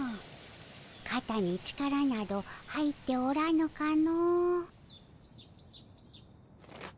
かたに力など入っておらぬかの。